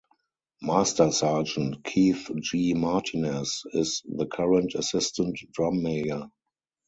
Master Sergeant Keith G. Martinez is the current Assistant Drum Major.